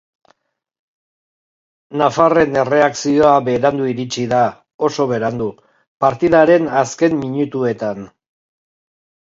Nafarren erreakzioa berandu iritsi da, oso berandu, partidaren azken minutuetan.